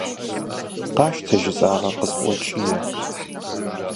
«Къащтэ жысӀакъэ!» - къысщӀокӀие.